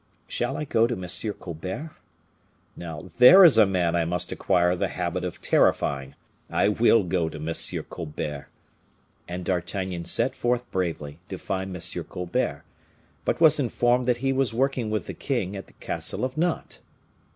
Shall I go to M. Colbert? Now, there is a man I must acquire the habit of terrifying. I will go to M. Colbert." And D'Artagnan set forward bravely to find M. Colbert, but was informed that he was working with the king, at the castle of Nantes.